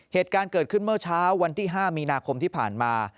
เหตุการณ์เกิดขึ้นเมื่อเช้าวันที่๕มีนาคมที่ผ่านมา